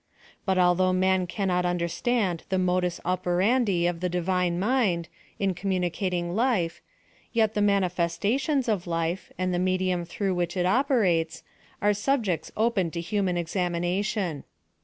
But although man cannot understand the modus oper andi of the Divine mind, in communicating life, yet tlie manifestations of life, and the medium through which it operates, are subjects open to human ex amination.